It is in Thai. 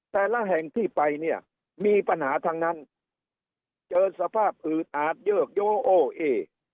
แต่ละแห่งที่ไปเนี่ยมีปัญหาทั้งนั้นเจอสภาพอืดอาจเยิกโยโอ้เอ